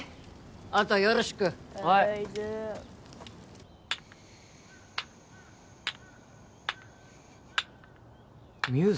あとはよろしくはいミューズ？